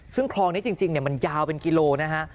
ซึ่งคลองนี้จริงมันยาวเป็นกิโลนะฮะ